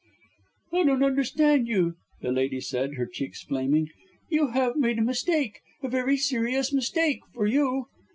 "I don't understand you," the lady said, her cheeks flaming. "You have made a mistake a very serious mistake for you."